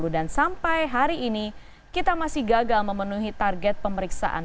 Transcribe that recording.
dan sampai hari ini kita masih gagal memenuhi target pemeriksaan